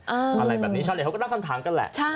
อะไรแบบนี้เฉลี่ยเขาก็นั่งคำถามกันแหละ